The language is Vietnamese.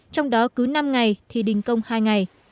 trong đó cứ năm ngày thì đình công hai ngày